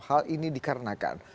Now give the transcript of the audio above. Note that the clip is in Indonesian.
hal ini dikarenakan